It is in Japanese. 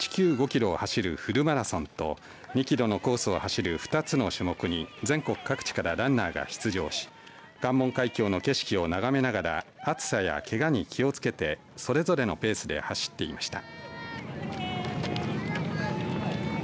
キロを走るフルマラソンと２キロのコースを走る２つの種目に全国各地からランナーが出場し関門海峡の景色を眺めながら暑さやけがに気をつけてそれぞれのペースで走っていました。